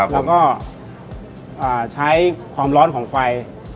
แล้วก็ใช้ความร้อนของไฟ